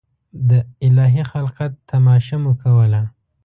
د الهي خلقت تماشه مو کوله.